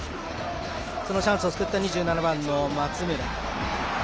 そのチャンスを作った２７番の松村。